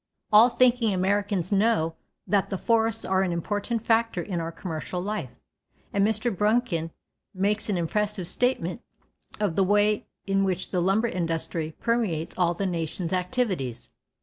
All thinking Americans know that the forests are an important factor in our commercial life, and Mr. Bruncken makes an impressive statement of the way in which the lumber industry permeates all the nation's activities.